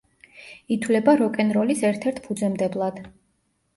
ითვლება როკ-ენ-როლის ერთ-ერთ ფუძემდებლად.